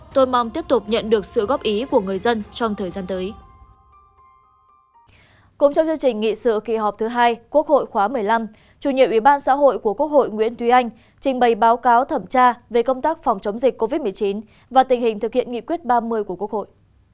tại sự kỳ họp thứ hai quốc hội khóa một mươi năm chủ nhiệm ủy ban xã hội của quốc hội nguyễn thúy anh trình bày báo cáo thẩm tra về công tác phòng chống dịch covid một mươi chín và tình hình thực hiện nghị quyết ba mươi của quốc hội